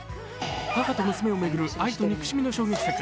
母と娘を巡る愛と憎しみの衝撃作。